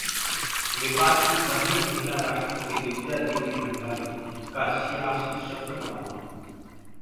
नेपाल की पहली महिला राष्ट्रपति विद्या देवी भंडारी का सियासी सफरनामा